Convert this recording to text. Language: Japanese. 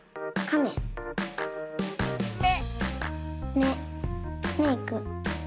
メメイク。